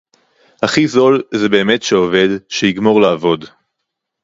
הכי זול זה באמת שעובד שיגמור לעבוד